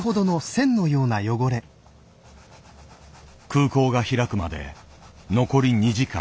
空港が開くまで残り２時間。